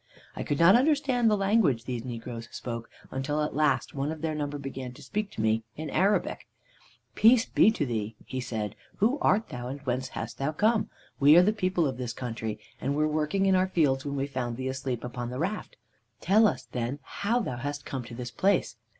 "I could not understand the language these negroes spoke, until at last one of their number began to speak to me in Arabic. "Peace be to thee!' he said. 'Who art thou, and whence hast thou come? We are the people of this country, and were working in our fields when we found thee asleep upon the raft. Tell us, then, how thou hast come to this place.'